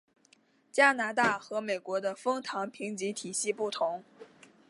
加拿大和美国的枫糖评级体系不同。